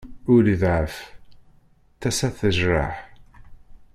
Ul iḍɛef tasa tejreḥ.